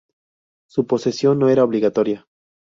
Su posesión no era obligatoria.